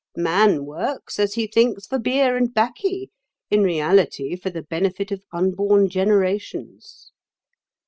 Man works, as he thinks, for beer and baccy; in reality, for the benefit of unborn generations.